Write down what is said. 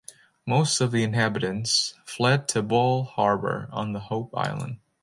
Most of the inhabitants fled to Bull Harbour on Hope Island.